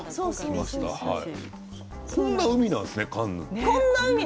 こんなに海なんですねカンヌって。